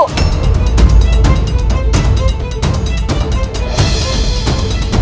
degelar pribadi k policymakers